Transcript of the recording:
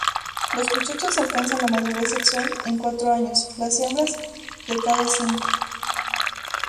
Los machos alcanzan la madurez sexual en cuatro años, las hembras de cada cinco.